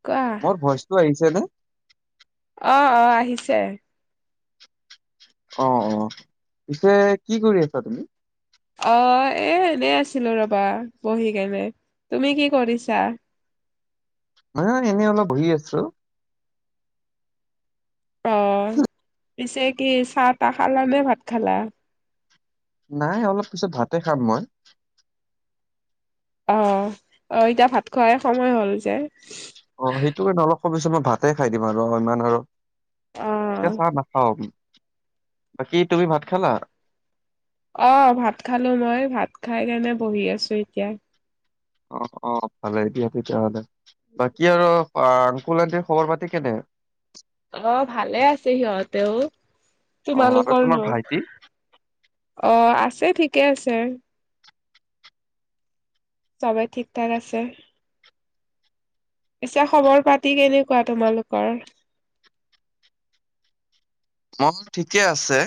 অ। কোৱা মোৰ ভইচটো আহিছে নে। অ অ আহিছে। অ অ পিছে কি কৰি আছা তুমি? অ এ এনেই আছিলো ৰবা বহি কেনে। তুমি কি কৰিছা? মানে এনে অলপ বহি আছোঁ। অ পিছে কি চাহ তাহ খালা নে ভাত খালা। নাই অলপ পিছত ভাতে খাম মই। অ অ এতিয়া ভাত খোৱাই সময় হ'ল যে। চ পিছত মই ভাতে খাই দিম আৰু অ ইমান আৰু, এতিয়া অ', চাহ নাখাওঁ। বাকী তুমি ভাত খালা? অ ভাত খালোঁ মই ভাত খাই কেনে বহি আছোঁ এতিয়া। অ অ ভালে এতিয়া তেতিয়াহ'লে বাকী আৰুঅ কলেৰটি খবৰ পাতি কেনে? অ ভালে আছে সিহঁতেও, অ', আৰু তোমালোকৰ তোমাৰ ন। ভাইটি? অ আছে ঠিকে আছে। চবে ঠিক ঠাক আছে। পিছে খবৰ পাতি কেনেকুৱা তোমালোকৰ? মোৰ ঠিকে আছে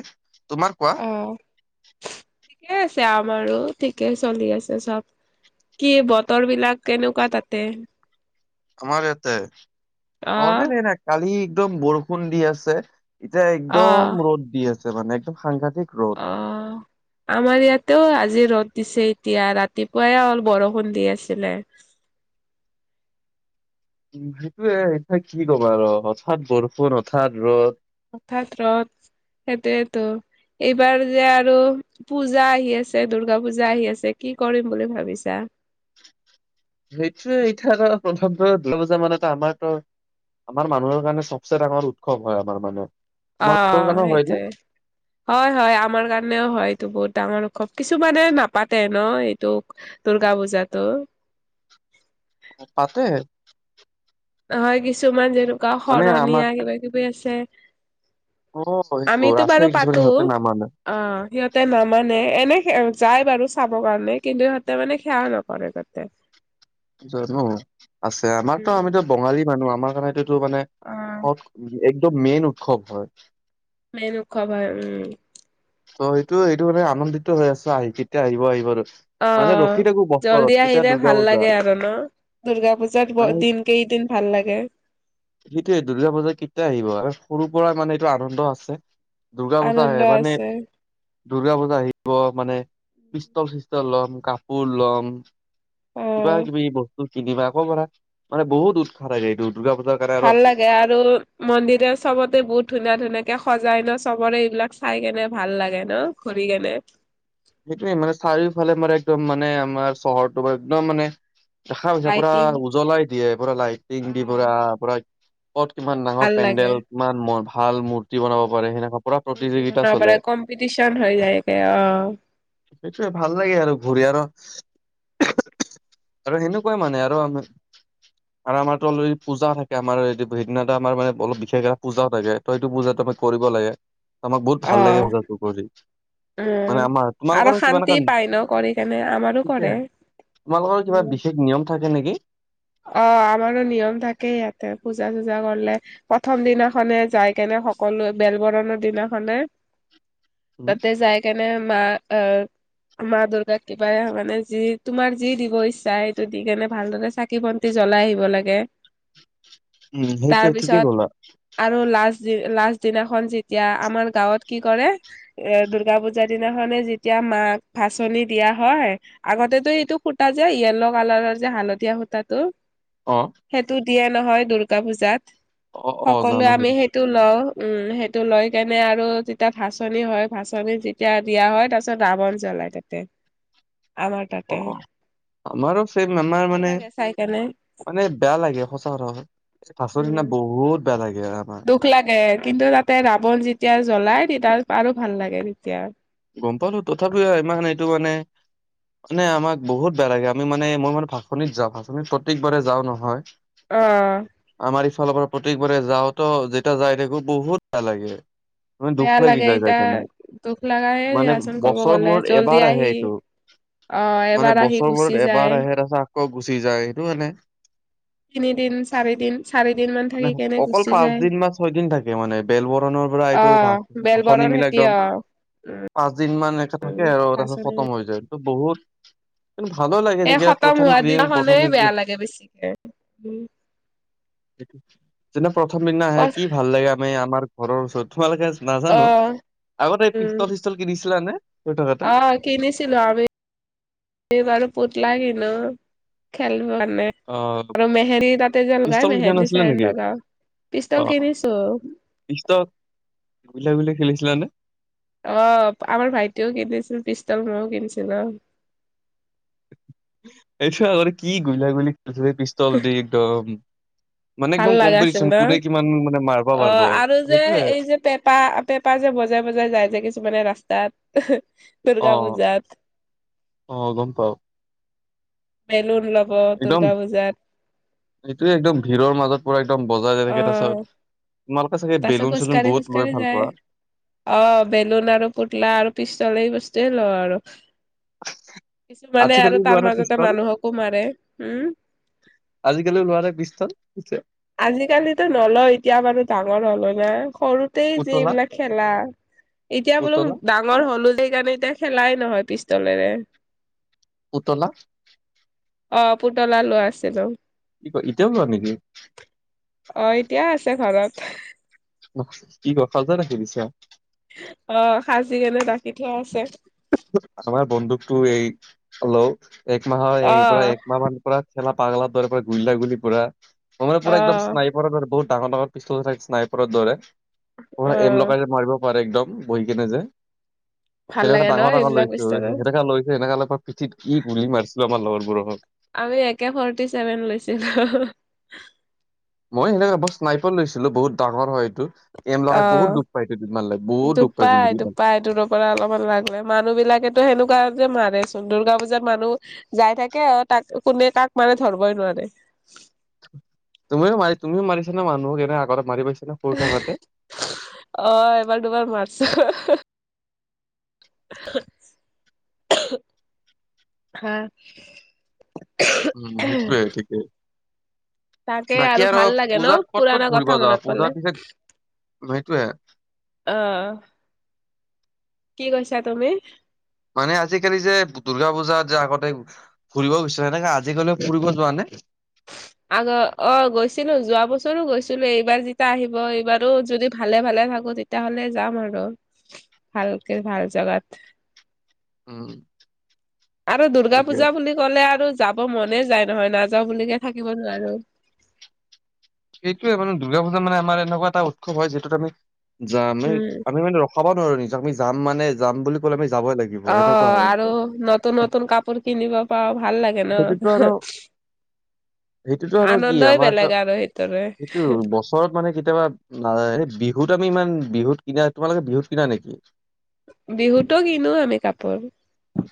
তোমাৰ কোৱা? অ', ঠিকে আছে আমাৰো ঠিকেই চলি আছে চব কি বতৰ বিলাক কেনেকুৱা তাতে? আমাৰ ইয়াতে অ নৰ্মেলে নাই কালি একদম বৰষুণ দি আছে এতিয়া অ একদম ৰ'দ দি আছে মানে একদম সাংঘাট অ,, আমাৰ ইয়াত তেও আজি ৰ'দ দিছে এতিয়া ৰাতিপুৱাই অল বৰষুণ দি আছিলে। [unintelligible] সেইটোয়ে এতিয়া কি ক'ম আৰু হঠাৎ বৰষুণ হঠাৎ ৰ'দ। হঠাৎ ৰদ সেইটোৱেইতো। এইবাৰ যে আৰু পূজা আহি আছে দূৰ্গা পূজা আহি আছে কি কৰিম বুলি ভাবিছা? সেইটোয়ে এতিয়া প্ৰথমত দুটা বজা মানত আমাৰত আমাৰ মানুহৰ কাৰণে চবচে ডাঙৰ উৎসৱ হয় আমাৰ মানে। অ তোমালোকৰ কাৰণেও হয় নে? সেইটোৱে, হয় হয় আমাৰ কাৰণেও হয় এইটো বহুত ডাঙৰ উৎসৱ, কিছুমানে নাপাতে ন এইটো দুৰ্গা পূজাটো। পাতে। নহয় কিছুমান যেনেকুৱা মানে আমাক শৰণীয়া কিবা কিবি আছে, অ' সেইবোৰ আমিতো আছে বাৰু কিছুমান পাতোঁ, সিহঁতে নামানে। অ সিহঁতে নামানে এনে যায় বাৰু চাবৰ কাৰণে কিন্তু সিহঁতে মানে সেয়াও নকৰে তাতে। জানোঁ আছে আমাৰতো উম আমিতো বঙালী মানুহ আমাৰ কাৰণে। অ টো এইটো, মেইন উৎসৱ হয় মেইন উৎসৱ হয় উম। হয়তো এইটো মানে আনন্দিত হৈ আছে আহি কেতিয়া আহিব আহিব আৰু অ মানে ৰখি থাকো বছৰত জল্দি কেতিয়া আহিলে দুৰ্গা ভাল পূজা লাগে আৰু ন? দুৰ্গা পূজাত দিন কেইদিন ভাল লাগে সেইটোৱেই দুৰ্গা পূজা কেতিয়া আহিব, আৰু সৰুৰ পৰা মানে এইটো আনন্দ আছে দুৰ্গা পূজা আনন্দ আহে মানে আছে দুৰ্গা পূজা আহিব মানে, পিষ্টল চিষ্টল লম কাপোৰ লম অ কিবা কিবি বস্তু কিনিবা আকৌ পৰা মানে বহুত উৎসাহ থাকে এইটোত ভাল লাগে আৰু মন্দিৰে চবতে বহুত ধুনীয়া ধুনীয়াকে সজাই ন চবৰে এইবিলাক চাই কেনে ভাল লাগে ন ঘূৰি কেনে সেইটোৱে মানে চাৰিওফালে মান একদম মানে আমাৰ চহৰটো ম একদম মানে দেখা পাইছ পুৰা লাইটিং উজ্বলাই দিয়ে পুৰা লাইটিং দি অ পুৰা পুৰা ক'ত কিমান ডাঙৰ ভাল লাগে। পেণ্ডেল কিমান ভাল মূৰ্তি উম, বনাব পাৰে সেনেকুৱা পুৰা মূৰ্তি প্ৰতিযোগিতা বনাব পাৰে চলে। হৈ যায়গে অ সেইটোয়ে ভাল লাগে আৰু ঘূৰি আৰু আৰু সেনেকুৱাই মানে আৰু আমি আৰু আমাৰতো অলৰে পূজা থাকে আমাৰ সেইদিনা আমাৰ মানে অলপ বিশেষ এটা পূজাও থাকে ত সেইটো পূজাতো কৰিব লাগে, আমাক বহুত অ ভাল লাগে পূজাতো কৰি। উম। মানে আমাৰ আৰু তোমালোকৰো কিবা ন শান্তি ক পায় কৰি কেনে আমাৰো কৰে তোমালোকৰ কিবা উম, বিশেষ নিয়ম থাকে নেকি? অ আমাৰো নিয়ম থাকেই ইয়াতে পূজা চুজা কৰিলে প্ৰথম দিনাখনে যায় কেনে সকলোৱে বেল বৰণৰ দিনাখনে [unintelligible] উম, তাতে যাই কেনে মা আহ মা দুৰ্গাক কিবা মানে যি তোমাৰ যি দিব ইচ্ছা সেইটো দি কেনে ভালদৰে চ চাকি বন্তি জলাই আহিব লাগে, উম, তাৰ সেইটোৱে ঠিকেই পিছত ক'লা আৰু লা লাষ্ট দিনাখন যেতিয়া আমাৰ গাঁৱত কি কৰে এ দূৰ্গা পূজাৰ দিনাখনে যেতিয়া মাক ভাচনি দিয়া হয় আগতেতটো এইটো সুতা যে য়েল্ল' কালাৰৰ যে হালধীয়া সুতা। তাতো। অ। দিয়ে নহয় দূৰ্গা পূজাত অ', অ', সকলোৱে জানো আমি সেইটো লওঁ। সেইটো লৈ কেনে আৰু যেতিয়া ভচনি হয় ভাচনী যেতিয়া দিয়া হয় তাৰপিছত ৰাৱণ জল। ওলায় তাতে। আমাৰ তাতে অ আমাৰো ছেম আমাৰ ভাল মানে। লাগে চাই কেনে মানে বেয়া লাগে সঁচা কথা পাচৰ উম দিনা বহুত বেয়া লাগে। এয়া আমাৰ। এ কিন্তু তাতে ৰাৱণ যেতিয়া জ্বলাই তেতিয়া আৰু ভাল লাগে তেতিয়া। গম পালো তথাপিও ইমান এইটো মানে। নে আমাক বহুত বেয়া লাগে আমি মানে মই মানে ভাচনিত যাওঁ ভাচনিত প্ৰত্যেকবাৰে যাওঁ নহয়। অ আমাৰ। ফালৰ পৰা প্ৰত্যেকবাৰে যাওঁতেো যেতিয়া যাই থাকো বহুত ভেয়া লাগে। মাৰ দুখ বেয়া লাগি লাগে য যা এতিয়া কেনে। দুখ লগায়ে মানে দিয়াচোন ক'ব বছৰ গ'লে মূৰত জল্দি এবাৰ আহে আহি এইটো। অ মানে এবাৰ আহি গুচি বছৰবোৰত যায় এবাৰ আহে তছে আকৌ গুচি যায় সেইটো মানে। তিনিদিন চাৰিদিন চাৰিদিন মান মানে থাকি কেনে অকল গুচি পাঁচ যায় দিন বা ছয় দিন থাকে মানে বেল বৰণৰ। পৰা অ এইটো ভ ভষনি বেলবৰণ মিলাই খেতি একদম। অ পাঁচ দিন মান একে থাকে আৰু তাৰপিছত ভাচনি খতম হৈ যায় টো বহুত। কিন্ত ভাল লাগে এই যেতিয়া খতম প্ৰথম হোৱা ক্ৰীম প্ৰথম। দিনাখনে বেয়া লাগে বেছিকে উম যেনে প্ৰথম দিনা অ আহে কি ভাল লাগে আমি আমাৰ ঘৰৰ ওচৰত। তোমালোকে নাজানোঁ আগতে এই উম পিষ্টল চিষ্টল কিনিছিলানে। অ কিনিছিলোঁ আমি বাৰু পুতলা কিন হেল্ল খেলুৱ। মানে অ আৰু মেহেন্দী তাতে যে লগাই পিষ্টল কেতিয়াও মেহেন্দী নাছিলে নেকি সেহেন্দী লগাওঁ। অ পিষ্টল কিনিছো। গুলিয়া গুলি খেলিছিলানে? আহ আমাৰ ভাইটিও কিনিছিল পিষ্টল মও কিনিছিলোঁ। এইটো আগতে কি গুলীয়া গুলি পিষ্টল দি একদম। মানে ভাল একদম লগা আছিল কম্পিটিশন ন কোনে কিমান। মানে মাৰবা অ পাৰব আৰু যে সেইটোয়ে এই যে পেপা পেপা যে বজাই বজাই যায় যে কিছুমানে ৰাস্তাত। অ দুৰ্গা পূজাত অ গম পাওঁ। বেলুন ল। একদম এইটোয়ে একদম ভিৰৰ মাজত। পুৰা একদম বজাই কেনেকে তাৰপাছত। তাৰপিছত খোজ কঢ়ি খোজ কাঢ়ি যায় পোৱা অ বেলুন আৰু পুতলা আৰু পিষ্টলে এই বস্তু। তাতে লও আৰু। কিছুমানে আৰু আজিকালি তাৰ লোৱা নে মাজতে পিষ্টল মানুহকো মাৰে উম। আজিকালি লোৱা নে পিষ্টল পিছে আজিকালিতো নলওঁ এতিয়া বাৰু। ডাঙৰ হ'ল যে সৰুতেই পুতলা যিবিলাক খেলা। এতিয়া বোলো পুতলা ডাঙৰ হ'লো সেইকাৰণে এতিয়া খেলাই নহয় পিষ্টলেৰে। পুতলা। অ পুতলা লোৱা আছিলোঁ। কি কয় ইতিয়াও লোৱা নেকি? অ এতিয়া আছে ঘৰত। কি গপচত হাহি দিছ। অ সাচিকেনে ৰাখি থোৱা আছে। আমাৰ বন্দুকতো এই লও এক মাহৰ অ এই পৰা একমাহ মানৰ পৰা। খেলা পাগলা ধ গুললা গুলি পৰা মানে অ পু একদম ঈশ্নাইপৰৰ দৰে বহুত। ডাঙৰ ডাঙৰ পিষ্টল থ নাই পৰত দৰে অ এম লগাই যে মাৰিব পাৰে একদম বহি কেনে যে ভাল সেনেকা লাগে। ন ডাঙৰ ডাঙৰ এইবিলাক লৈছোঁ বিচনা সেনেকা লৈছে সেনেকৈ পিঠিত কি গুলি মাৰিছিলোঁ আমাৰ লগৰবোৰক। আমি একে ফৰ্টি ছেভেন লৈছিলোঁ। মই সেনেকে বৰ স্নাইফল লৈছিলোঁ বহুত ডাঙৰ হয় এইটো এম অ লগাই বহুত দুখ পায় এইট দুপাই -দুপাই দূৰৰ পৰা অলপমান লাগ্ললে মানুহ বিলাকেতো সেনেকুৱা মাৰেচোন দুৰ্গা পূজাত মানুহ যাই থাকে আৰু তাক কোনে কাক মাৰে ধৰবই নোৱাৰে। তুমিও মাৰিও তুমিও মাৰিছা মানুহক এনে আগতে মাৰি পাইছা? নে সৰু থাকোতে অ এবাৰ দুবাৰ মাৰ চ হহঃ [unintelligible] হা। উম সেইটোৱে ঠিকে তাকে বাকী আৰু ভাল লাগে ন পূজাত ক'ত পুৰণা ক'ত কথা ঘূৰিব মনত যাও পৰিলে পূজাৰ পিছত সেইটোয়ে। আহ। কি কৈছা তুমি? মানে আজিকালি যে দুৰ্গা পূজা যে আগতে ফুৰিব গইচা সেনেকাে আজিকালিও ফুৰিব যোৱা নে? [unintelligible] আগ অ গৈছিলোঁ যোৱা বছৰো গৈছিলোঁ এইবাৰ যেতিয়া আহিব এইবাৰো যদি ভালে ভালে থাকো তেতিয়াহ'লে যাম আৰু ভালকে ভাল জাগাত। উম আৰু দুৰ্গা- ঠিকে পূজা বুলি ক'লে আৰুয যাব মনে যায় নহয় নাযাওঁ বুলিকে থাকিব নোৱাৰো। সেইটয়ে মানে দুৰ্গা পূজা মানে আমাৰ এনেকুৱা এটা উৎসৱ হয় যিটোত আমি যা উম আমি মানে খাব নোৱাৰো নি আমি যাম মানে যাম বুলি ক'লে আমি যাবই লাগিব সেনেকুৱা অ' হয়। আৰু নতুন নতুন কাপোৰ কিনিব পাৰওঁ ভাল লাগে সেইটোতো আৰু ন', সেইটোতো আৰু কি আনন্দই বেলেগ আমাৰটো আৰু সেইটোৰে সেইটো বছৰত মানে কেতিয়াবা নাযা বিহুত আমি ইমান বিহুত কিনা তোমালোকে বিহু কিনা নেকি? বিহুতো কিনো আমি কাপোৰ।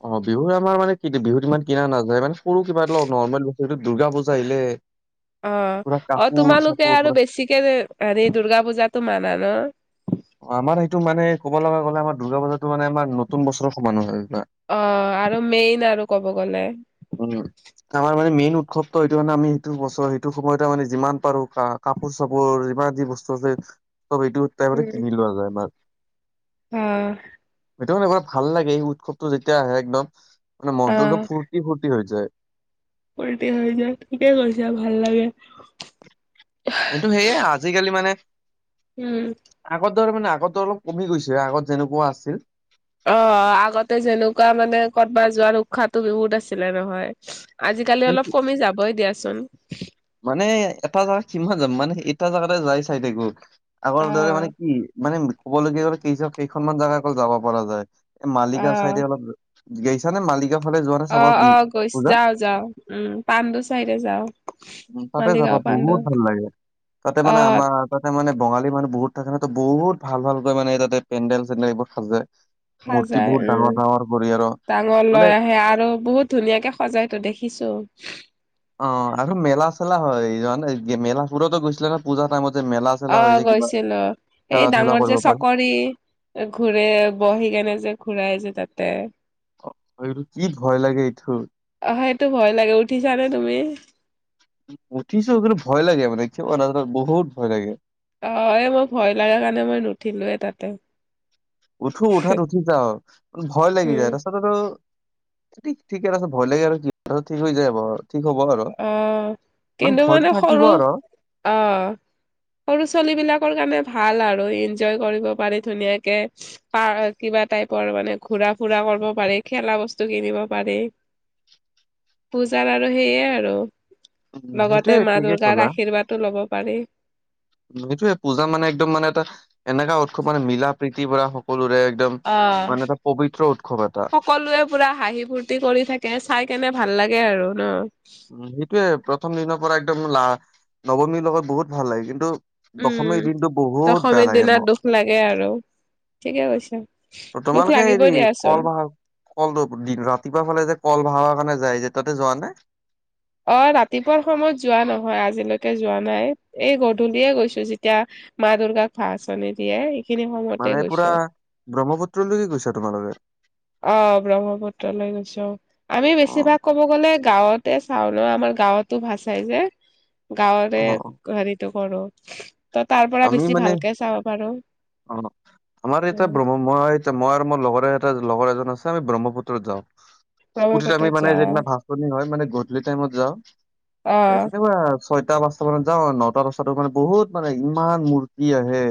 অ বিহুৰ আমাৰ মানে কিতু বিহুত ইমান কিনা নাযায় মানে সৰু কিবা এ নৰ্মেল বস্তটো দুৰ্গা পূজা আহিলে অ অলপ কাম অ তোমালোকে আৰু বেছিকে হেৰি দুূৰ্গা পূজাটো মানা ন'? আমাৰ সেইটো মানে ক'ব লগা গ'লে আমাৰ দুৰ্গা পূজাটো মানে আমাৰ নতুন বছৰৰ সমানো হয়। অহ, আৰু মেইন আৰু ক'ব গলে। উৎসৱ ত' সেইটো মানে আমি সেইটো বছৰ সেইটো সময়ত মানে যিমান পাৰো কাপোৰ- চাপোৰ যিমান যি বস্তু আছে ত' এইটো টাইমত যায় মাৰ। উম সেইটো মানেুৱ ভাল লাগে এই উৎসৱটো যেতিয়া আহে একদম মানে মনটো একদম ফৰ্তি -ফূৰ্তি হৈ যায়। পলটি হৈ যায় কেতিয়া কৈছা ভাল লাগে এইটো সেয়ে আজিকালি মানে উম তাৰমানে আগতো অলপ কমি গৈছে আগত যেনেকুৱা আছিল। অহ, আগতে যেনেকুৱা মানে কৰ'বাত যোৱাৰ উৎসাহটো বহুত আছিলে নহয় আজিকালি সেইটো অলপ কমি যাবই দিয়াচোন। মানে এটা জেগাত কিমান যাম মানে এটা জেগাতে যাই চাই থাকব। আগৰ অ দৰে মানে কি মানে কবলগীয়া হ'লে কেই -কেইখনমান জেগা অকল যাব পৰা যায়। এ অ মালিগাঁও চাইডে অলপ গৈছা নে মালিগাঁও? ফালে যোৱা নে চাবা অ', - বি অ', গৈ পূজা? যাও- যাও উম পাণ্ডু চাইড যাও। উম, তাতে যাবা মালিগাঁও পাণ্ডু বহুত ভাল লাগে তাতে অ মানে আমাৰ তাতে মানে বঙালী মানুহ বহুত তাৰকাৰনে তো বহুত ভাল ভালকৈ মানে তাতে পেণ্ডেল - চেণ্ডেল এইবোৰ সাজে। মূৰ্তি সাজাই বহুত ডাঙৰ উম। ডাঙৰ কৰি আৰু ডাঙৰ মানে লৈ আহে আৰু বহুত ধুনীয়াকে সজাইতো দেখিছো। অ আৰু মেলা চেলা হয় জাননে মেলাপুৰতো গৈছিলে নহয় পূজা টাইমত। যে মেলা অ চেলা হৈ যে কিবা গৈছিলো, খেলা এই ধূলা ডাঙৰ কৰিব যে পাৰি। চকৰি। ঘূৰে বহি কেনে যে ঘূৰাই যে তাতে অহ, এইটো কি ভয় লাগে এইটো। ভাই এইটো ভয় লাগে উঠিছ নে তুমি? উঠিছো কিন্তু ভয় লাগে কিয়বা নাজানো বহুত ভয় লাগে। অহ, এই মই ভয় লগা কাৰণে মই নুঠিলোৱে তাতে। উঠো উঠাত উঠি যাওঁ ভয় লাগি উম। যায় তাৰছত আৰু ঠিক -ঠিকে তাৰছত ভয় লাগে আৰু কি ঠিক হৈ যায় বৰ। আহ, কিন্তু ভয়তো মানে থাকিব সৰু আৰু অহ সৰু -ছোৱালী বিলাকৰ কাৰণে ভাল আৰু ইনজয় কৰিব পাৰি ধুনীয়াকে পা কিবা টাইপৰ মানে ঘুৰা- ফুৰা কৰিব পাৰে খেলা- বস্তু কিনিব পাৰে। [inaudible] পূজাৰ আৰু সেইয়ে আৰু উম লগতে সেইটোয়ে মা ঠিকে দুৰ্গাৰ ক'লা আৰ্শীৰ্বাদো ল'ব পাৰি। সেইটোয়ে পূজা মানে একদম মানে এটা, এনেকা উৎসৱ মানে মিলা- প্ৰীতি শক্তি পৰা সকলোৰে একদম, অ'। মানে এটা পবিত্ৰ। উৎসৱ এটা সকলোৱে পুৰা হাঁহি ফূৰ্তি কৰি থাকে চাই কেনে ভাল লাগে আৰু ন। উম সেইটোয়ে প্ৰথম দিনৰ পৰা একদম লা নৱমীৰ লগত বহুত ভাল লাগে কিন্তু। দশমীৰ উম দিনটো বহুত বেয়া দশমীৰ লাগে দিনা মোৰ। দুখ লাগে আৰু ঠিকে কৈছা। ত দুখ তোমালোকে লাগিবই হেৰি দিয়াচোন। কল বাহা কল ৰাতিপুৱা ফালে যে কল বাহাৱা কাৰণে। যাই যে তাতে যোৱা নে। অ ৰাতিপুৱাৰ সময়ত যোৱা নহয় আজিলৈকে যোৱা নাই এই গধূলিয়ে গৈছো যেতিয়া। মা দুৰ্গাক ভাচনি দিয়ে। সেইখিনি সময়তে মানে পুৰা, গৈছো ব্ৰহ্মপুত্ৰলৈকে গৈছা তোমালোকে। অ ব্ৰহ্মপুত্ৰ লৈ গৈছো অ আমিও অ বেছিভাগ কব গ'লে। বোলে গাঁৱতে চাও ন আমাৰ গাঁৱতো ভাজাই যে, গাঁৱৰে অ হেৰিটো। কৰো ত তাৰ পৰা আমি বেছি মানে ভালকে চাব পাৰো। অ আমাৰ এতিয়া উম ব্ৰ মই এ মই আৰু মোৰ লগৰে এ লগৰ এজন আছে। আমি ব্ৰহ্মপুত্ৰত যাওঁ। স্কুটিত আমি ব্ৰহ্মপুত্ৰত মানে যাও যিদিনা ভাচনি হয় মানে গধূলি টাইমত যাওঁ অ একেবাৰে। ছয়টা পাঁচটা মানে যাওঁ নটা দছতাতো মানে বহুত মানে ইমান মূৰ্তি আহে।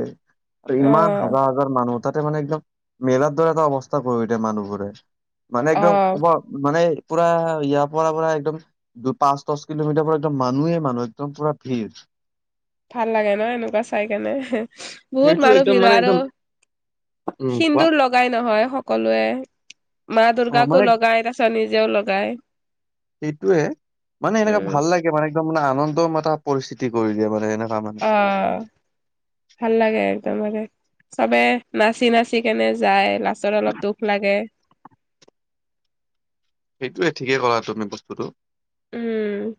আৰু অ ইমান হাজাৰ হাজাৰ মানুহ তাতে মানে একদম মেলাৰ দৰে এটা অৱস্থা কৰি দিয়ে মানুহবোৰে। মানে একদম অ অব মানে। পুৰা ইয়াৰ পৰা পৰা একদম দু পাঁচ দহ কিলোমিটাৰ পৰা একদম মানুহেই মানুহ একদম পুৰা ভিৰ। [unintelligible] ভাল লাগে ন এনেকুৱা চাই কেনে বহুত সেইটো মানুহ একদম ভিৰ মানে আৰু। একদম উম কোৱা। সিন্দুৰ লগাই নহয় সকলোৱে মা অ' দুৰ্গাকো মানে লগাই তাৰপিছত নি। নিজেও লগায়। সেইটোয়ে মানে এনেকা ভাল লাগে মানে একদম মানে আনন্দম এটা পৰিস্থিতি কৰি দিয়ে মানে এ। অ, ভাল লাগে একদম লাগে চবে নাচি নাচি কেনে যায় লাষ্টত অলপ দুখ লাগে। সেইটোয়ে ঠিকেই কলা তুমি বস্তুটো। উম।